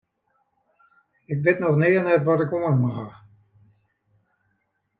Ik wit noch nea net wat ik oan him haw.